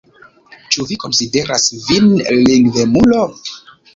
Ĉu vi konsideras vin lingvemulo?